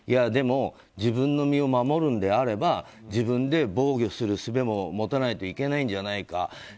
でも自分の身を守るのであれば自分で防御するすべも持たないといけないんじゃないか。